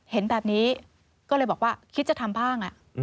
เห็นแบบนี้ก็เลยบอกว่าคิดจะทำบ้าง